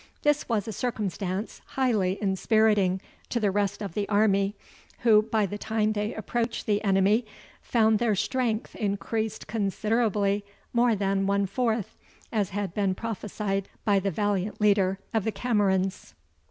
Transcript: This was a circumstance highly inspiriting to the rest of the army, who, by the time they approached the enemy, found their strength increased considerably more than one fourth, as had been prophesied by the valiant leader of the Camerons.